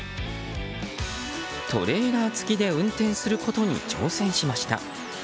トレーラー付きで運転することに挑戦しました。